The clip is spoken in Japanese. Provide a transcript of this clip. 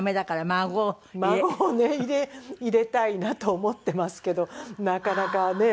孫をね入れたいなと思ってますけどなかなかね。